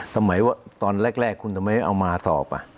ว่าตอนแรกคุณทำไมเอามาสอบ